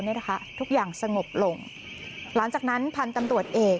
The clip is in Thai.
เนี่ยนะคะทุกอย่างสงบลงหลังจากนั้นพันธุ์ตำรวจเอก